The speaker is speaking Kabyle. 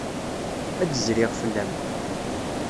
Ad d-zriɣ fell-am.